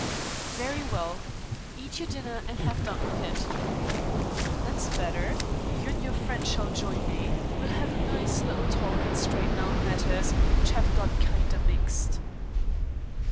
"Very well. Eat your dinner and have done with it." "That's better. You and your friend shall join me. We'll have a nice little talk and straighten out matters, which have got kinder mixed."